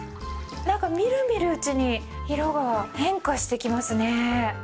何か見る見るうちに色が変化してきますね。